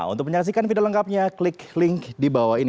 untuk menyaksikan video lengkapnya klik link di bawah ini